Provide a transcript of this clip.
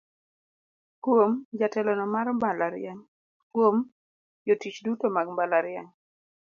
"Kuom: Jatelono mar mbalariany, Kuom: Jotich duto mag mbalariany".